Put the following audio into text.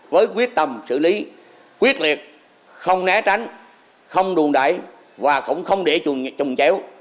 với quyết tâm xử lý quyết liệt không né tránh không đùn đẩy và không để trùng chéo